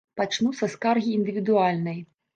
Пачну са скаргі індывідуальнай.